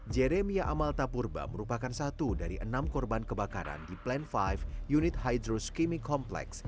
jeremia amalta purba merupakan satu dari enam korban kebakaran di plan lima unit hydros kiming complex